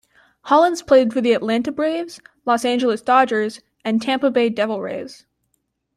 Hollins played for the Atlanta Braves, Los Angeles Dodgers, and Tampa Bay Devil Rays.